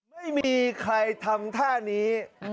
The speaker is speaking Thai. ไม่มีใครทำท่านี้